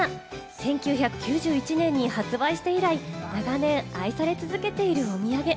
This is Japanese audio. １９９１年に発売して以来、長年愛され続けているお土産。